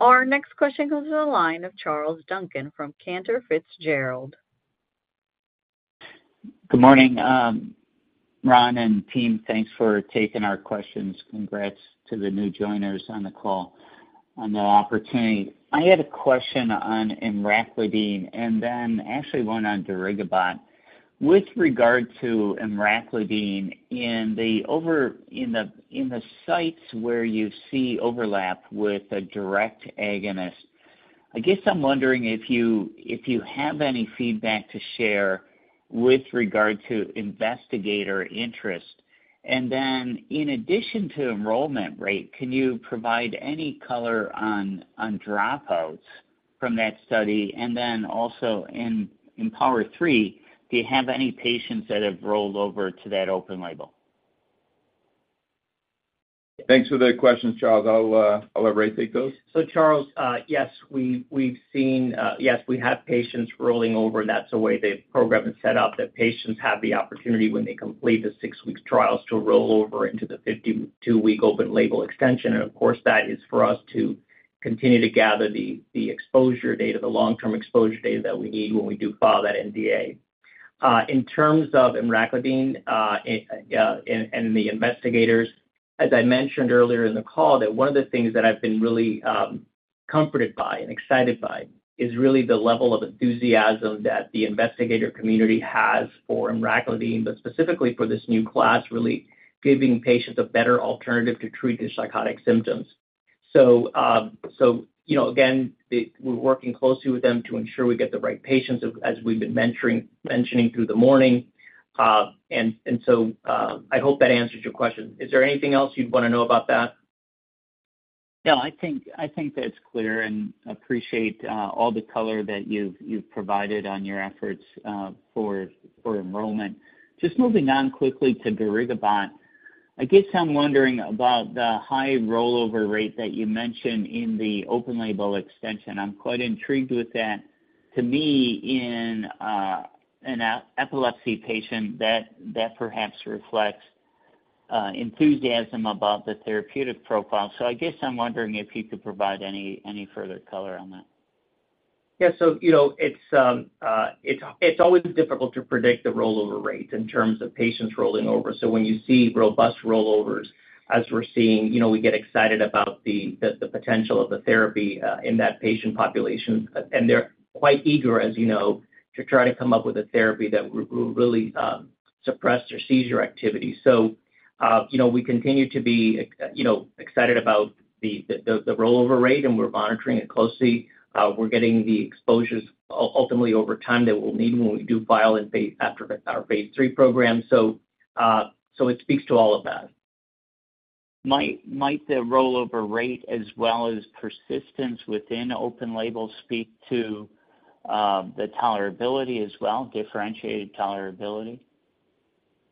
Speaker 1: Our next question goes to the line of Charles Duncan from Cantor Fitzgerald.
Speaker 15: Good morning, Ron and team. Thanks for taking our questions. Congrats to the new joiners on the call, on the opportunity. I had a question on emraclidine, and then actually one on darigabat. With regard to emraclidine, in the sites where you see overlap with a direct agonist, I guess I'm wondering if you have any feedback to share with regard to investigator interest. In addition to enrollment rate, can you provide any color on dropouts from that study? Also in EMPOWER-3, do you have any patients that have rolled over to that open label?
Speaker 3: Thanks for the questions, Charles. I'll, I'll let Ray take those.
Speaker 4: Charles, yes, we've, we've seen. Yes, we have patients rolling over. That's the way the program is set up, that patients have the opportunity when they complete the 6-week trials to roll over into the 52-week open label extension. Of course, that is for us to continue to gather the, the exposure data, the long-term exposure data that we need when we do file that NDA. In terms of emraclidine, and, and the investigators, as I mentioned earlier in the call, that one of the things that I've been really comforted by and excited by is really the level of enthusiasm that the investigator community has for emraclidine, but specifically for this new class, really giving patients a better alternative to treat their psychotic symptoms. You know, again, we're working closely with them to ensure we get the right patients, as we've been mentioning through the morning. I hope that answers your question. Is there anything else you'd want to know about that?
Speaker 15: No, I think, I think that's clear, and appreciate, all the color that you've, you've provided on your efforts, for, for enrollment. Just moving on quickly to darigabat. I guess I'm wondering about the high rollover rate that you mentioned in the open label extension. I'm quite intrigued with that. To me, in an epilepsy patient, that, that perhaps reflects enthusiasm about the therapeutic profile. I guess I'm wondering if you could provide any, any further color on that.
Speaker 4: Yeah. You know, it's, it's always difficult to predict the rollover rate in terms of patients rolling over. When you see robust rollovers, as we're seeing, you know, we get excited about the, the, the potential of the therapy in that patient population. They're quite eager, as you know, to try to come up with a therapy that will really suppress their seizure activity. You know, we continue to be excited about the, the, the rollover rate, and we're monitoring it closely. We're getting the exposures ultimately over time that we'll need when we do file in phase, after our Phase 3 program. It speaks to all of that.
Speaker 15: Might the rollover rate as well as persistence within open label speak to, the tolerability as well, differentiated tolerability?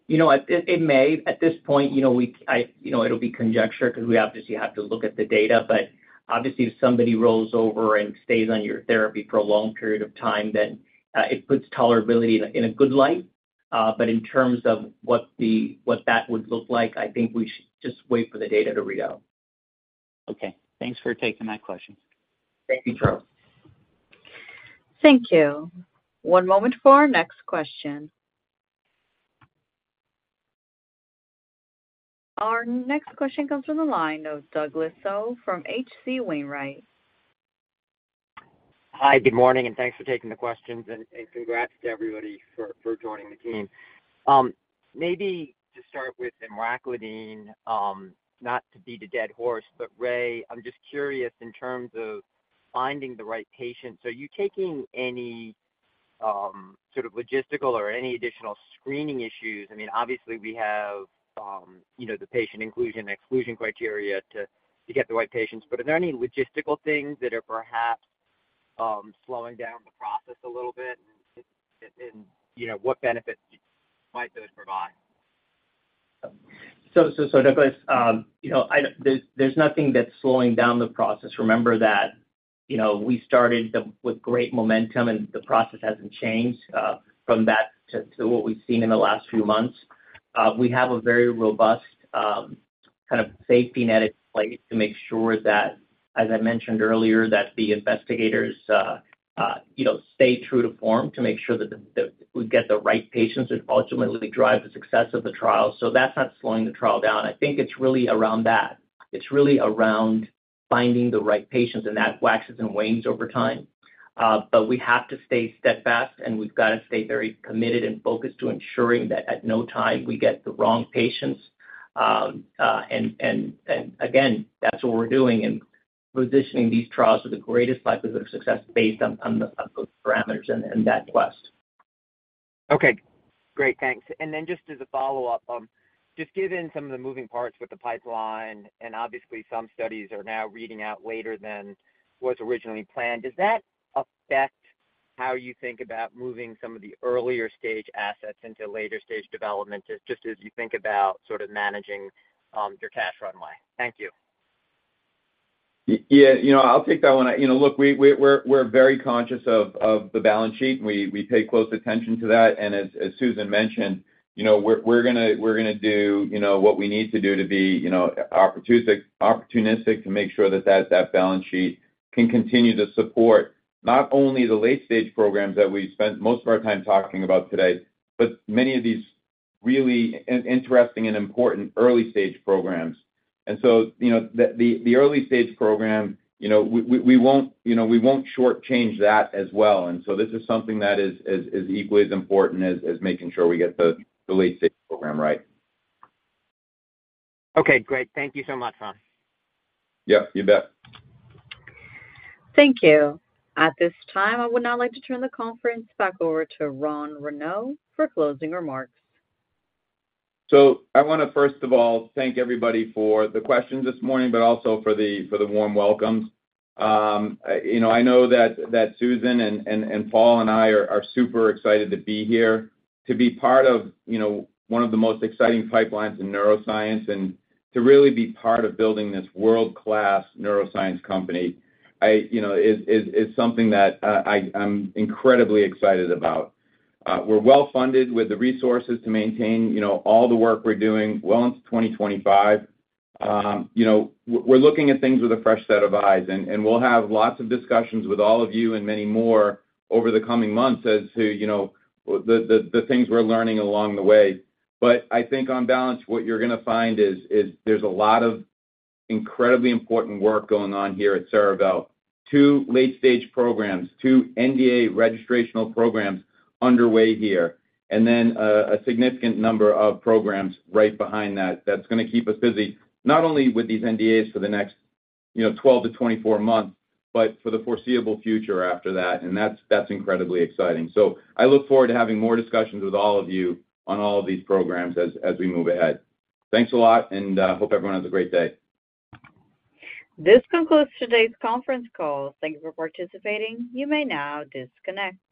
Speaker 4: You know, it, it may. At this point, you know, You know, it'll be conjecture because we obviously have to look at the data. Obviously, if somebody rolls over and stays on your therapy for a long period of time, then, it puts tolerability in a good light. In terms of what that would look like, I think we should just wait for the data to read out.
Speaker 15: Okay. Thanks for taking my questions.
Speaker 4: Thank you, Charles.
Speaker 1: Thank you. One moment for our next question. Our next question comes from the line of Douglas Tsao from H.C. Wainwright.
Speaker 16: Hi, good morning, and thanks for taking the questions, and, and congrats to everybody for, for joining the team. maybe to start with emraclidine, not to beat a dead horse, but Ray, I'm just curious in terms of finding the right patient, so are you taking any sort of logistical or any additional screening issues? I mean, obviously we have, you know, the patient inclusion/exclusion criteria to, to get the right patients, but are there any logistical things that are perhaps slowing down the process a little bit? you know, what benefits might those provide?
Speaker 4: Douglas, you know, I, there's, there's nothing that's slowing down the process. Remember that, you know, we started the- with great momentum, and the process hasn't changed, from that to, to what we've seen in the last few months. We have a very robust, kind of safety net in place to make sure that, as I mentioned earlier, that the investigators, you know, stay true to form, to make sure that We get the right patients, which ultimately drive the success of the trial. That's not slowing the trial down. I think it's really around that. It's really around finding the right patients, and that waxes and wanes over time. We have to stay steadfast, and we've got to stay very committed and focused to ensuring that at no time we get the wrong patients. Again, that's what we're doing in positioning these trials with the greatest likelihood of success based on, on the, on the parameters in that quest.
Speaker 16: Okay, great. Thanks. Just as a follow-up, just given some of the moving parts with the pipeline, and obviously some studies are now reading out later than was originally planned, does that affect how you think about moving some of the earlier stage assets into later stage development, just as you think about sort of managing your cash runway? Thank you.
Speaker 3: Yeah, you know, I'll take that one. You know, look, we're very conscious of the balance sheet. We pay close attention to that, and as Susan mentioned, you know, we're gonna do, you know, what we need to do to be, you know, opportunistic, opportunistic to make sure that balance sheet can continue to support not only the late-stage programs that we spent most of our time talking about today, but many of these really interesting and important early-stage programs. You know, the early-stage program, you know, we won't, you know, we won't shortchange that as well. This is something that is equally as important as making sure we get the late-stage program right.
Speaker 16: Okay, great. Thank you so much, Ron.
Speaker 3: Yep, you bet.
Speaker 1: Thank you. At this time, I would now like to turn the conference back over to Ron Renaud for closing remarks.
Speaker 3: I want to, first of all, thank everybody for the questions this morning, but also for the, for the warm welcomes. I, you know, I know that, that Susan and, and, and Paul and I are, are super excited to be here, to be part of, you know, one of the most exciting pipelines in neuroscience and to really be part of building this world-class neuroscience company. I, you know, is, is, is something that I'm incredibly excited about. We're well-funded with the resources to maintain, you know, all the work we're doing well into 2025. You know, we're, we're looking at things with a fresh set of eyes, and, and we'll have lots of discussions with all of you and many more over the coming months as to, you know, the, the, the things we're learning along the way. I think on balance, what you're going to find is, is there's a lot of incredibly important work going on here at Cerevel. Two late-stage programs, two NDA registrational programs underway here, and then a significant number of programs right behind that, that's going to keep us busy, not only with these NDAs for the next, you know, 12 to 24 months, but for the foreseeable future after that, and that's, that's incredibly exciting. I look forward to having more discussions with all of you on all of these programs as, as we move ahead. Thanks a lot, and hope everyone has a great day.
Speaker 1: This concludes today's conference call. Thank you for participating. You may now disconnect.